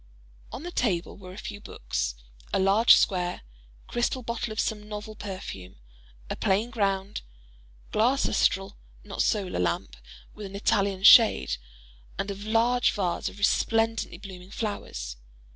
On the table were a few books; a large, square, crystal bottle of some novel perfume; a plain ground glass astral (not solar) lamp with an Italian shade; and a large vase of resplendently blooming flowers.